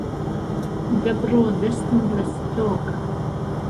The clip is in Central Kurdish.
ده بڕۆ دهستم لهستۆ که